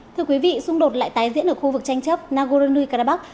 thưa quý vị xung đột lại tái diễn ở khu vực tranh chấp nagorno karabakh